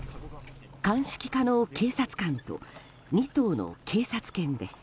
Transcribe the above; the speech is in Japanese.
鑑識課の警察官と２頭の警察犬です。